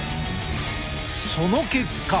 その結果。